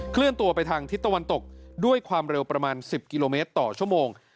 เลื่อนตัวไปทางทิศตะวันตกด้วยความเร็วประมาณ๑๐กิโลเมตรต่อชั่วโมง